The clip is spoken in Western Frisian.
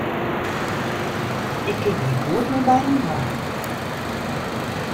Ik kin gjin goed mear by him dwaan.